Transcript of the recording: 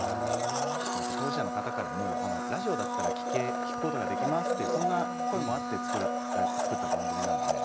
当事者の方からもラジオなら聞くことができますという声もあって作った番組です。